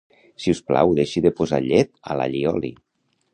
Si us plau deixi de posar llet a l'all i oli